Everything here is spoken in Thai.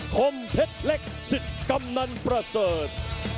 คมเพชรเล็กสิทธิ์กำนันประเสริฐ